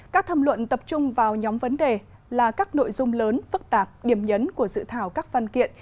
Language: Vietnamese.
các tham luận tập trung vào nhóm vấn đề là các nội dung lớn phức tạp điểm nhấn của dự thảo các văn kiện